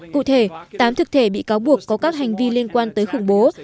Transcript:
cụ thể tám thực thể bị cáo buộc có các hành vi liên quan tới khủng bố